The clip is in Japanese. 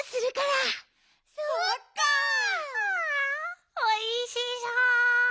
あおいしそう！